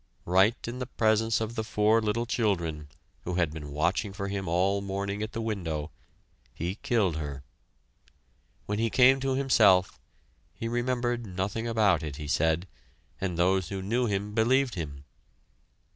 Right in the presence of the four little children who had been watching for him all morning at the window, he killed her. When he came to himself, he remembered nothing about it, he said, and those who knew him believed him.